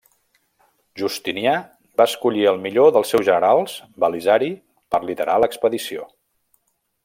Justinià va escollir al millor dels seus generals, Belisari, per liderar l'expedició.